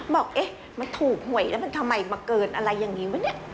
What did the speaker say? บอกเอ๊ะมันถูกหวยแล้วมันทำไมมาเกินอะไรอย่างนี้วะเนี่ย